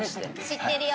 知ってるよ！